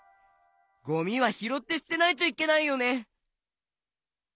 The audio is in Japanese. ゴミはひろってすてないといけないよね！